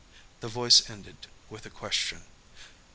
the voice ended with a question.